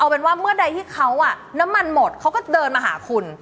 เป็นว่าเมื่อใดที่เขาน้ำมันหมดเขาก็เดินมาหาคุณ